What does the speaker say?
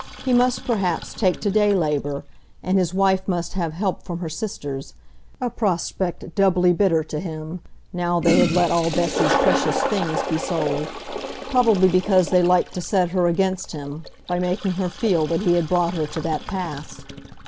He must perhaps take to day labour, and his wife must have help from her sisters,—a prospect doubly bitter to him, now they had let all Bessy's precious things be sold, probably because they liked to set her against him, by making her feel that he had brought her to that pass.